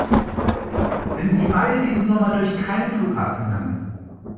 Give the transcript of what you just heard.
Sind Sie beide diesen Sommer durch keinen Flughafen gegangen?